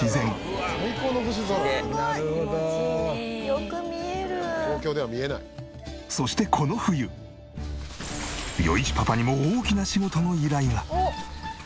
「最高の星空」「なるほど」「よく見える」「東京では見えない」そしてこの冬余一パパにも大きな仕事の依頼が。